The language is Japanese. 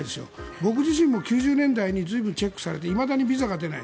僕自身も１９９０年代に随分チェックされていまだにビザが出ない。